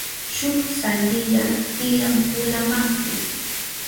Shuk sandiya tiyan pula maku.